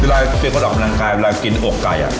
เวลาเตรียมคนออกกำลังกายเวลากินอกไก่